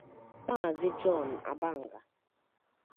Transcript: Maazị John Abanga